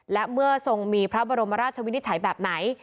และเมื่อทรงมีพระบรมราชวินิจฉัยแบบไหน